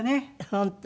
本当？